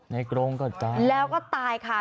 กรงก็ตายแล้วก็ตายค่ะ